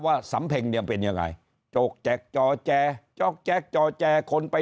สำเพ็งเนี่ยเป็นยังไงจกแจกจอแจจ๊อกแจ๊กจอแจคนไป